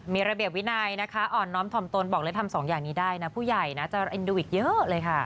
มีระเบียบวินัยนะคะอ่อนน้อมถ่อมตนบอกเลยทำสองอย่างนี้ได้นะผู้ใหญ่นะจะเอ็นดูอีกเยอะเลยค่ะ